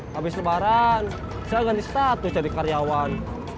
habis lebaran saya ganti status jadi karyawan